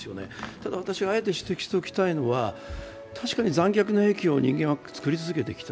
ただ、私はあえて指摘しておきたいのは、確かに残虐な兵器を人間は作り続けてきた。